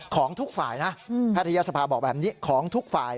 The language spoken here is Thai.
ของทุกฝ่ายนะแพทยศภาบอกแบบนี้ของทุกฝ่าย